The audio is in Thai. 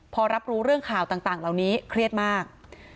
พอรับรู้เรื่องข่าวต่างเหล่านี้เครียดมาก